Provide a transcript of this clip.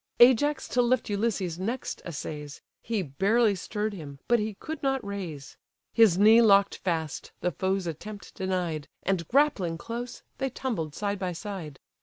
Ajax to lift Ulysses next essays; He barely stirr'd him, but he could not raise: His knee lock'd fast, the foe's attempt denied; And grappling close, they tumbled side by side.